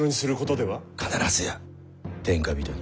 必ずや天下人に。